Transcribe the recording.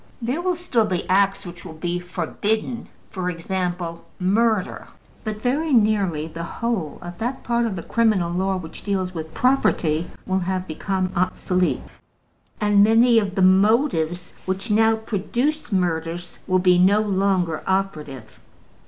There will still be acts which will be forbidden for example, murder. But very nearly the whole of that part of the criminal law which deals with property will have become obsolete, and many of the motives which now produce murders will be no longer operative.